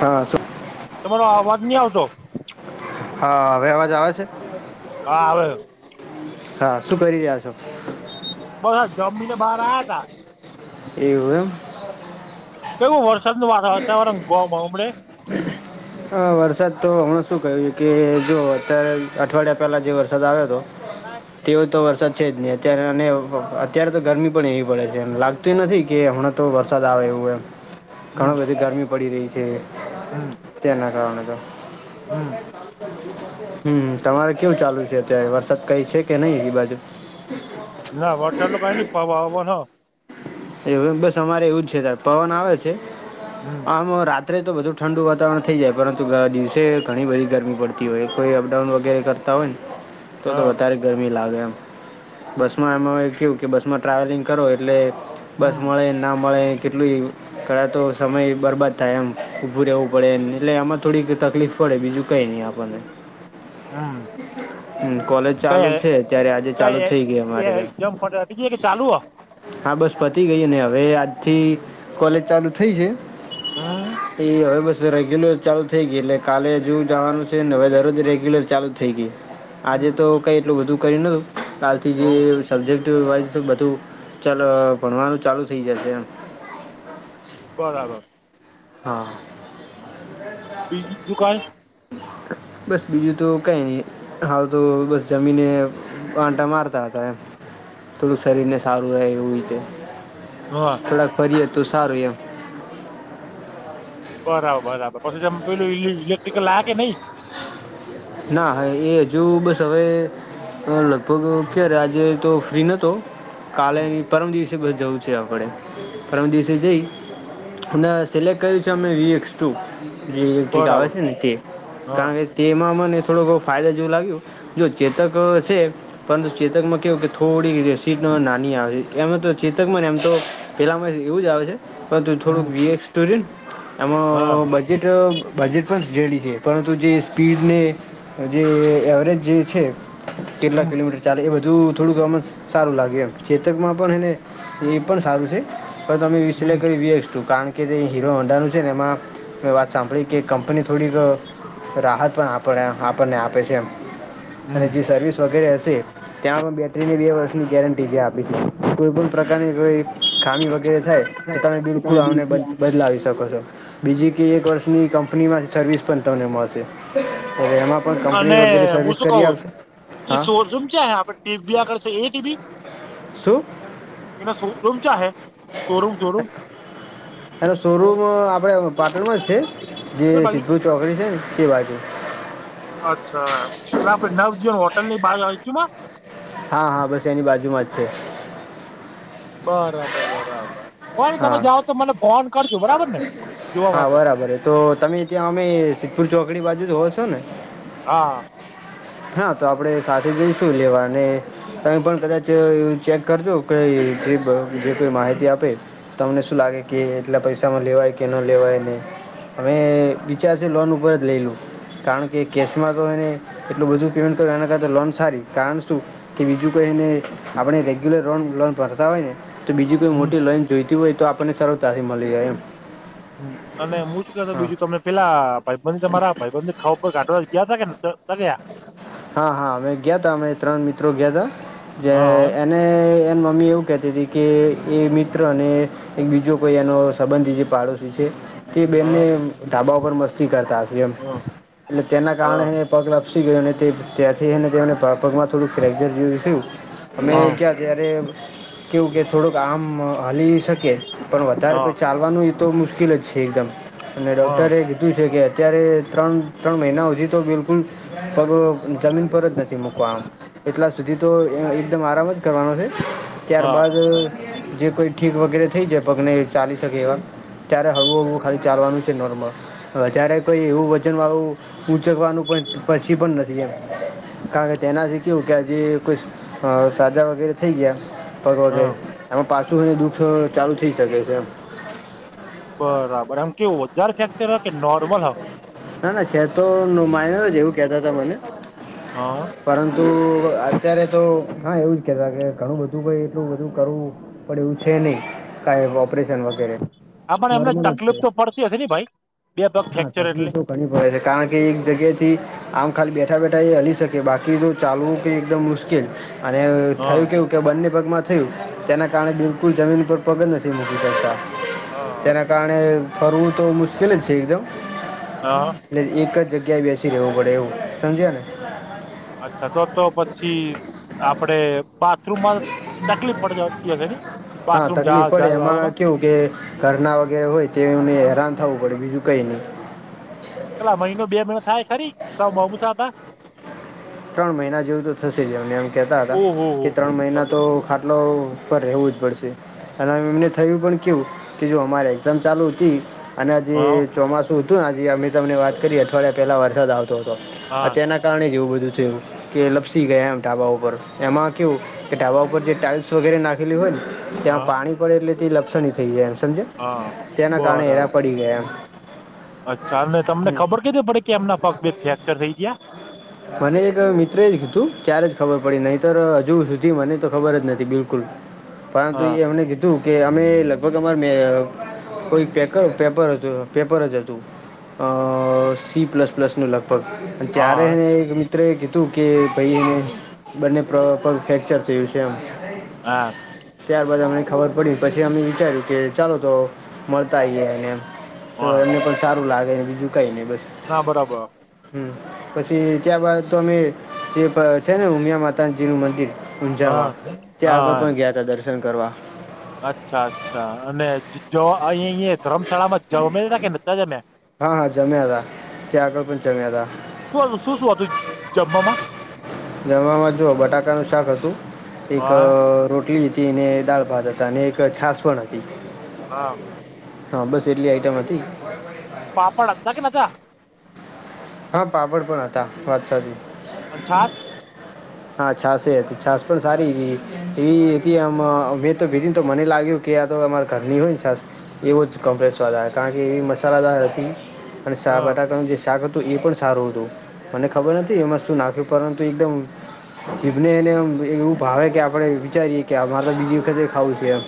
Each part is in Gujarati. હા શું? તમારો અવાજ નહી આવતો. હા હવે અવાજ આવે છે? હા આવે હા શું કરી રહ્યા છો? બસ જમીને બહાર આવ્યા તા. એવું એમ. કેવું વરસાદનું વાતા વાતાવરણ ગામડે. [unintelligible] હ વરસાદ તો હમણા શું કહ્યું કે જો અત્યારે અઠવાડિયા પહેલા જે વરસાદ આવ્યો હતો. હા. તેઓ તો વરસાદ છે જ નહી અત્યારે અને અત્યારે તો ગરમી પણ એવી પડે છે લાગ લાગતી નથી કે હમણાં તો વરસાદ આવે એવું એમ હમ ઘણ બધી ગરમી પડી રહી છે. હમ. તેના કારણે તો. હમ હમ તમારે કેવું ચાલુ છે અત્યારે વરસાદ કઈ છે કે નહી એ બાજુ [inaudible] ના વટસાઅટ લોકો કઈ નની પવા હવ હ. [inaudible] એ બસ, અમારે એવું જ છે. તારે પવન આવે છે હમ આમરા? અત્રે તો બધું ઠંડુ વાતાવરણ થઈ જાય, પરંતુ દિવસે ઘણી બધી ગરમી પડતી હોય. કોઈ અપડાઉન વગેરે કરતા હોય ને, તો તો હા વધારે. ગરમી લાગે એમ બસમાં. એમાં કેવું કે બસમાં ટ્રાવેલિંગ કરો એટલે. બસ હમ મળે ના મળે, કેટલું? ઘણા તો સમય બરબાદ થાય, એમ ઉભું રહેવું પડે એને એટલે આમાં થોડીક તકલીફ પડે. બીજું કંઈ નહીં આપણને. [unintelligible] હમ હમ, કોલેજ ક ચાલુ છે ત્યારે આજે ક ચાલુ એ થઈ ગઈ અમારે ત્યાં જમ [inaudible] કે ચાલુ હો. હા, બસ પતી ગઈ ને હવે આજ થી કોલેજ ચાલુ થઈ છે. હા. એ, હવે બસ રેગ્યુલર ચાલુ થઈ ગય એટલે કાલે જોવ જવાનું છે ને. હવે દરરોજ રેગ્યુલર ચાલુ થઈ ગઈ. આજે હમ તો કઈ એટલું બધું કરી નતું. કાલથી જે હવ સબ્જેક્ટ બધું ચાલ, ભણવાનું ચાલુ થઈ જશે એમ‌. બરાબર. હા. બીજી જો કાઈ? બસ બીજું તો કઈ નહી. હાલ તો બસ જમીને આંટા મારતા હતા એમ. થોડું શરીરને સારું રહે એવું રીતે. હા. ફરીએ તું સારું એમ. બરાબર, બરાબર. પછી પેલુ ઇલેક્ટ્રિકલ, આ કે નઈ? ના, હા. એ હજુ બસ હવે. લગભગ ક્યારે? આજે તો ફ્રી નતો, કાલે પરમ દિવસે. જવું છે આપડે, પરમ દિવસે જઈ. અને સિલેક્ટ કર્યું છે અમે વીએક્સ ટુ. જે ઇલેક્ટ્રિક આવે બરાબર છે ને, તે હા કારણ કે તેમાં મને થોડો બહુ ફાયદા જેવું લાગ્યું. જો ચેતક છે. પરંતુ ચેતકમાં કેવું કે, થોડી સીટ નાની આવે છે. એમાં તો ચેતકમાં ને એમ તો પેલામાં એવું જ આવે છે. પણ તું હમ થોડુંક વીએક્સ ટુર ને, હા એમાં બજેટ તો બજેટ પણ જેડી છે. પરંતુ જે સ્પીડને જે એવરેજ જે છે, કેટલા હમ કિલોમીટર? ચાલે, એ બધું થોડુંક ગમન સારું લાગે એમ. ચેતકમાં પણને, એ પણ સારું છે. હ તમે વિસલેય હમ કરી વ્યચ છું. કારણ કે [inaudible] કે જે હીરો હોંડાનું છે ને, એમાં મેં વાત સાંભળી કે કંપની થોડીક રાહત પણ આપે. પણ આપણને આપે છે એમ. અને હમ જે સર્વિસ વગેરે હશે ત્યાં પણ બેટરીની બે વર્ષની ગેરંટી જે આપી છે, કોઈ પણ પ્રકારની જોઈ ખામી વગેરે થાય તો, તમે બિલકુલ આવને બદલાવીશ. શકો છો. એક વર્ષની કંપની સર્વિસ પણ તમને મળશે. એમાં પણ કંપની અને વગેરે હું સર્વિસ શું કઉ? કરી આપશે એ હા શોર રૂમ છે, આપ ટી આગળ છે. એ ટીવી શું? શો રૂમ છે. [unintelligible] એનો શોરૂમ આપડે પાટણમાં જ છે, જે કઈ બાજુ સિદ્ધુ ચોકડી છે ને, તે બાજુ. અચ્છા, એટલે આપડે નવજીવન હોટલ ની બાઈ આવી. હા, હા, બસ એની બાજુમાં જ છે. બરાબર, બરાબર. કોય નને, તમે હા જાઓ તો મને ફોન કરજો, બરાબર ને જોવા હા માટે. બરાબર છે તો તમે ત્યાં અમે સિદ્ધપુર ચોકડી બાજુ જ હો છો ને. હા હા તો આપડે સાથે જઈશું લેવાને. તમે પણ કદાચ ચેક કરજો કે ટ્રીપ જે કોઈ માહિતી આપે. તમને શું લાગે કે એટલા પૈસામાં લેવાય કે ન લેવાય ને અવે વિચાર સે લોન ઉપર જ લઈલું. કારણ કે કેશમાં તો એને એટલું બધું પેમેન્ટ કર એના કર લોન સારી કારણ શું કે બીજું કોઈ એને આપણે રેગ્યુલર લોન ભરતા હોય ને તો બીજી કોઈ હમ મોટી લોઈન જોઈતી હોય તો આપણને સરળતાથી મલી જાય એમ. હ અને હું શું કેતો હા બીજું તમે પેલા ભાઈબંધ તમારા ભાઈબંધ ખા ઉપર ઘાઢવા ગયા ત ન ગયા હા હા અમે ગયા તા અમે ત્રણ મિત્રો ગયા ત જે હા ને એ મમ્મી એવું કહેતી હતી કે એ મિત્ર ને એક બીજો કોઈ એનો સંબંધ જે પાડોશી છે. તે બેનને હા ઢાબા ઉપર મસ્તી કરતા હશે એમ હા એટલે તેના હા કારણે એ પગ લપસી ગયો અને તે ત્યાંથી તેમને પગમાં થોડુંક ફ્રેકચર જેવું થિયુ અમે હા ગયા ત્યારે કેવું કે થોડુંક આમ હલી શકે પણ વધારે કો હા ચાલ લવાનું એ તો મુશ્કેલ જ છે. એકદમ અને હા ડોક્ટરે હ્યુ છે કે અત્યારે ત્રણ ત્રણ મહિના હુધી તો બિલકુલ પગ જમીન પર જ નથી મૂકવાનું એટલા સુધી તો એકદમ આરામ જ કરવાનો છે. હા ત્યારબાદ જે કોઈ ઠીક વગેરે થઈ જાય. પગને એ ચાલી શકે એવા ત્યારે હળવું હવું ખાલી ચાલવાનું છે નોર્મલ. અત્યારે કોઈ એવું વજન વાળું ઉંચકવાનું પણ પછી પણ ન થી એમ કારણ કે તેનાથી કેવું કે હજી કોઈ સાજા વગેરે થઈ ગયા. ફવે હા એમાં પાછું છેને દુઃખ ચાલુ થઈ શકે છે એમ. બરાબર એમ કે વધાર ફેક્ચર હો કે નોર્મલ હો. ના ના ખેતો નો માયનર જ એવું કેતા હતા મને હા પરંતુ અત્યારે તો હા એવું જ કેતા કે ઘણું બધું ભાઈ એટલું બધું કરવું. પણ એવું છે નઈ કઈ ઓપરેશન વગેરે. હ પણ એમને નોર્મલ જ છે તકલીફ તો પડતી હશે ને ભાઈ. બે પગ હા ફ્રેક્ચર એટલે તકલીફ તો ઘણી પડે છે. કારણ કે એક જગ્યા થી આમ ખાલી બેઠા બેઠા એ હલી શકે બાકી તો ચાલવું કે એકદમ મુશ્કેલ અને હા થયું કેવું કે બંને પગમાં થયું તેના કારણે બિલકુલ જમીન પર પગ જ નથી મૂકી શકતા. હા તેના કારણે ફરવું તો મુશ્કેલ જ છે એકદમ હા એટલે એક જગ્યાએ રહેવું પડે એવું સમજ્યા ને [inaudible] અચ્છા તો તો પછી આપડે બાથરૂમમાં. તકલીફ પડતી હશે ને હા તકલીફ પડે એમાં કેવું કે ઘરના વગેરે હોય તેમને હેરાન થવું પડે બીજું કઈ નહી. પેલા મહિનો બે મહિનો થાય ખરી સાવ બમુથા હતા ત્રણ મહિના જેવું તો થશે જમને એમ કેહેતા હતા, ઓહો હો કે ત્રણ હો મહિના તો ખાટલો પર રહેવું જ પડશે. અને એમને થયું પણ કેવુ જો અમારી એક્ઝામ ચાલુ હતી. અને જે હા ચોમાસું હતું ને જે અમે તમને વાત કરી અઠવાડિયા પહેલા વરસાદ આવતો હતો હા અત્યારના કારણે જવું બધું થયું કે લપસી ગયા, એમ ઢાબા ઉપર એમાં કેવું કે ઢાબા ઉપર જે ટાઇલ્સ વગેરે નાખેલી હોય નેયામાં હા પાણી પડે એટલે તે લપસણી થઈ જાય એમ સમજ્યાં. હા તેના કારણે હેરા બરાબર પડી ગયા. અચ્છા અને તમને હમ ખબર કેધ પડે કે એમના પગ બે ફ્રેક્ચર થઈ ગયા? મને એક મિત્ર જ તું ત્યારે જ ખબર પડી નહી તો હજુ સુધી મને તો ખબર જ નથી બિલકુલ. પરંતુ હા એમને કીધુ તું કે અમે લગભગ અમાર મે કોઈ પેપર પેપર હતું પેપર જ હતું. અ સી પ્લસ પ્લસનું લખ ત્યારે હા એને એક મિત્ર એ કીધું કે ભાઈ એને હમ બંને પગ ફેક્ચર થયું છે એમ. હા ત્યારબાદ અમને ખબર પડી પછી અમે વિચાર્યું કે ચાલો તો મળતા આવીઈએ એને એમ. તો હા એમને પણ સારું લાગે ને બીજું કઈ નહી બસ. ના બરાબર હમ પછી ત્યારબાદ તો અમે જે છે ને ઉમિયા માતાજી નું મંદિર હા ઊંઝામાં ત્યાં હા આગળ પણ ગયા ત દર્શન કરવા. અચ્છા અચ્છા અને જો અ અ ધર્મશાળામાં જમે કે નતા જમેયા? હા હા જમ્યા હતા ત્યાં આગળ પણ જમ્યા હતા. શું હતું શું શું હતું જમવા માં? જમવામાં જુઓ બટાકાનું શાક હતું, એક હા રોટલી હતી. તેને દાળ ભાત હતા અને એક છાસ પણ હતી. હા હા બસ એટલી આઈટમ હતી. પાપડ હતા કે નતા. હા પાપડ પણ હતા વાત સાચી. અને છાસ [inaudible] હા છાસ હતી છાસ પણ સારી હતી એવી હતી આમ મેં તો ભીધી તો મને લાગ્યું કે આયા તો અમારે ઘરની હોય ને સા એવો જ કમ્પ્લેસવાદ આવે કારણ કે એવી મસાલાદાર હતી. અને હ શા બટાકા નું જે શાક તો એ પણ સારું હતું મને ખબર નથી એમાં શું નાખ્યું પરંતુ એકદમ જીને એને એવું ભાવે કે આપડે વિચારીએે કેરે તો બીજી વખતે ખાવું છે એમ.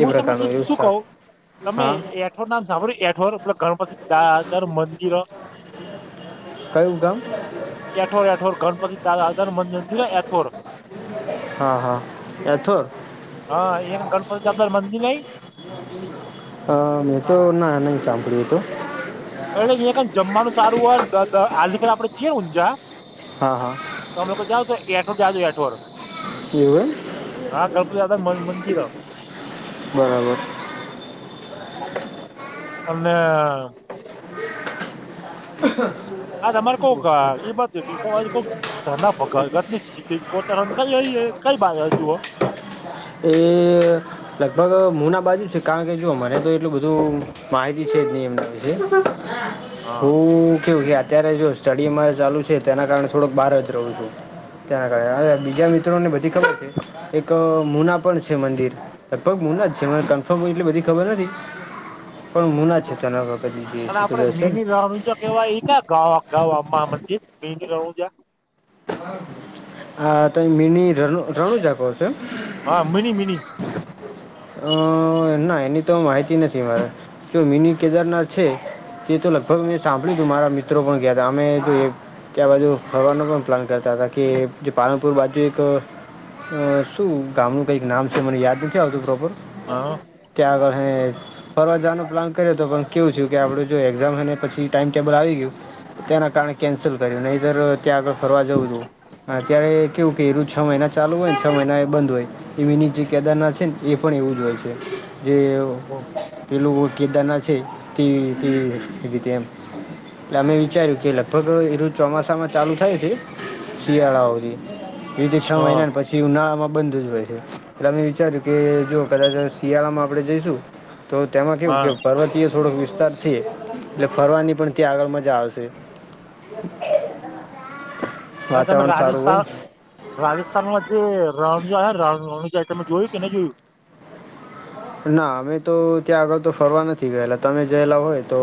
હું તમને પ્રકારનું એવું શાક હા ઠોર નામ સાંભળ્યું એઠોરલે ગણપતિ દાદર મંદિર હ્. કયું ગામ? એઠોર એઠોર ગણપતિ આગર મંદિર એથોર હા હા એથોર હા એ ગણપતિદાર મંદિર નઈ? હ મેં તો ના નહી સાંભળ્યું તો. એલે અયા ક જમવાનું સારું હોય આકા આપડે છીએ ને ઊંઝા હા હા ત અમે લોકો જાઓ છો એઠોર જાજો એઢોર. એવું એમ. હા ગણપતિ દાદાનું મંદિર હ્. બરાબર અમે [inaudible] હા તમારે કોક એ બાત દિશા બાજુ કોક [unintelligible] એ લગભગ હ ના બાજુ છે કારણ કે જો મને તો એટલું બધું માહિતી છે જ નિયમના વિશે. હા હું કેવું કે અત્યારે જો સ્ટડી અમારે ચાલુ છે તેના કારણે થોડોક બહાર જ રહું છું. તેના કારણે બીજા મિત્રોને બધી ખબર છે એ તો મુના પણ છે મંદિર. લગભગ મુના જ છે મને કન્ફર્મ એટ બધી ખબર નથી. પણ મુના છે તાના [unintelligible] કેવા એ કા ગાવા ગાવા માં મજી [unintelligible] આ તો મિની મિની ર રણુજા કોછો? હા મિની મિની. અ ના એની તો માહિતી નથી મારે જો મિની કેદારનાથ છે. તે તો લગભગ મેં સાંભળ્યું તું મારા મિત્રો પણ ગયા હતા અમે ત્યાં બાજુ ફરવાનો પણ પ્લાન. કરતા હતા કે જે પાલનપુર બાજુ એક અ શું ગામ નું કઈક નામ છે મને યાદ નથી આવતું પ્રોપર. હા ત્યાં આગળ હે ફરવા જવાનો પ્લાન કર્યો તો પણ કેવું છે કે આપણેું જો એક્ઝામ હે ને પછી ટાઈમ ટેબલ આવી ગયું, તેના કારણે કેન્સલ કર્યું નહીં તોર ત્યાં આગળ ફરવા જવું જો અત્યારે કેવું કે એ રુજ છ મહિના ચાલુ હોય ને છ મહિના એ બંધ હોય. એવીની જે કેદારનાથ છે ને એ પણ એવું જ હોય છે. જે [unintelligible] પેલું કેદારનાથ છે તે રી રીતે એમ. એટલે અમે વિચાર્યું કે લગભગ એ રું ચોમાસામાં ચાલુ થાય છે. શિયાળા હુધી છ હા મહિના ને પછી જે ઉનાળામાં બંધ જ હોય છે એટલે અં વિચાર્યું કે જો કદાચ શિયાળામાં આપણે જઈશું તો તેમાં કેવું હા કે પર્વતીય થોડોક વિસ્તાર છે એટલે ફરવાની પણ ત્યાં આગળ મજા આવશે. હવે તમે વાતાવરણ રાજીસ્ સારું હોય રાજસ્થાનમાં જે રણજા હે રણ રણજાય તમે જોયું કે નહી જોયું? ના અમે તો ત્યાં આગળ તો ફરવા નથી ગયેલા તમે ગયેલા હોય તો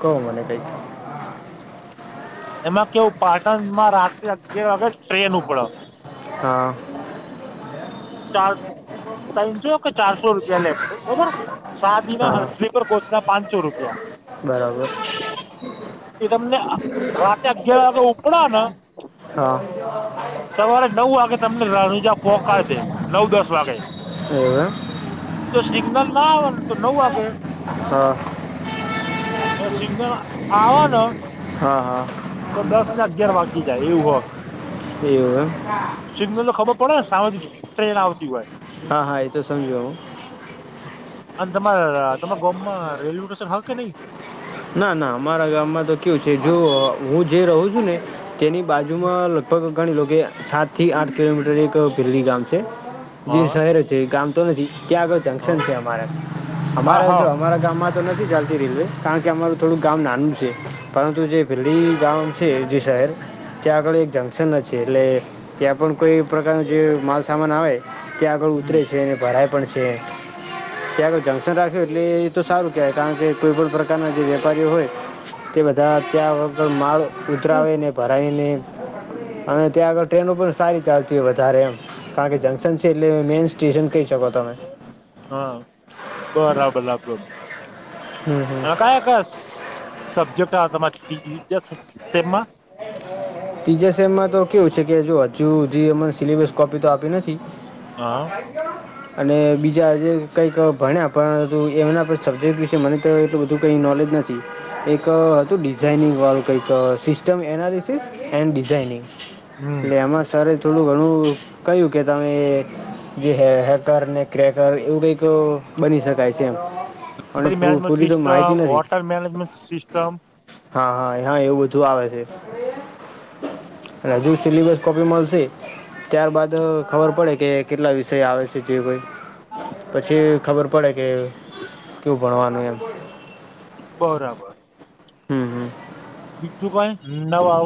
કહો મને કઈક. એમાં કેવું પાટણમાં રાત્રે અગિયાર વાગે ટ્રેન ઉપડે. હા. ચાર તસો કે ચારસો રૂપિયા લે બરોબર સાદીના હા સ્લીપર કોચ ના પાંચસો રૂપિયા. બરાબર એ તમને રાતે અગિયાર વાગે ઉપડેને હા. સવારે નવ વાગે તમને રણુજા પોકાડ દે નવ દસ વાગે. એવું એમ જો સિગ્નલ ના આવે ન તો નવ વાગે હા એ સિગ્નલ આવા ને હા હા. તો દસ ને અગિયાર વાગી જાય એવું હે. એવું એમ સિગ્નલ તો ખબર પડે ને સામેજ ટ્રેન આવતી હોય. હા હા એતો સમજું હું. અને તમારા તમારા ગોમમાં રેલવે સ્ટેશન હારુ કે નહી ના ના અમારા ગામમાં તો કેવું છે જો હું જે રહું છું ને તેની બાજુમાં લગભગ ઘણી લોકો સાત થી આઠ કિલોમીટર એક ભીલી ગામ છે. જે હા શહેરો છે ગામ તો નથી ત્યાં આગળ હ જંક્શન છે અમારા. હા અમારા જે હા અમારા ગામમાં તો નથી ચાલતી રેલવે કારણ કે અમારું થોડુંક ગામ નાનું છે. પરંતુ જે બીરડી ગામ છે એ જે શહેર ત્યાં આગળ એક જંક્શન જ છે એટલે ત્યાં પણ કોઈ પ્રકારનું જે માલસામાન આવે. ત્યાં આગળ ઉતરે હમ છે, ભરાય પણ છે. ત્યાં આગળ જ રાખ્યું એટલે એ તો સારું કહેવાય કારણ કે કોઈ પણ પ્રકારના જે વેપારીઓ હોય તે બધા ત્યાં વગર માળ ઉતરાવેને ભરાઈને અને ત્યાં આગળ ટ્રેનો પણ સારી ચાલતી હોય વધારે એમ. કારણ કે જંક્શન છે એટલે મેઈન સ્ટેશન કહી શકો તમે. હા, બરાબર આપ. હમ હમ અ ક્યા કયા સ સબ્જેક્ટ આવે તમારે તીજા સેમ સેમમાં? તીજા સેમમાં તો કેવું છે કે જો હજુ હુધી અમને સિલેબસ કોપી તો આપ્યું નથી. હા [inaudible] અને બીજા આજે કંઈક ભણ્યા પણ હતું એમના પણ સબ્જેક્ટ વિશે મને તો એટલું બધું કંઈ નોલેજ નથી. એક હતું ડિઝાઇનિંગ વાળું કંઈક સિસ્ટમ એનાલિસિસ. એન્ડ ડિઝાઇનિંગ હમ એટલે એમાં સરે થોડું ઘણું કહ્યું કે તમે જે હે હેકરને ક્રેકર એવું કંઈક બની શકાય છે એમ. અને લાઇબ્રેરી પૂ મેનેજમેન્ટ પૂરી તો માહિતી સિસ્ટમ, હોટલ મેનેજમેન્ટ સિસ્ટમ. હહ હહ હા એવું બધું આવે છે. અને હજુ સિલેબસ કોપી મલશે. ત્યારબાદ ખબર પડે કે કેટલા વિષય આવે છે જયભાઈ. પછી ખબર પડે કે કેવું ભણવાનું એમ. બરાબર હમ હમ બીજું કાઈ નવા હવે